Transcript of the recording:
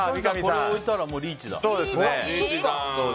これ置いたらリーチだ。